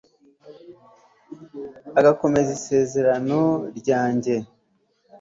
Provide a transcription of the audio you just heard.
agakomeza isezerano ryanjye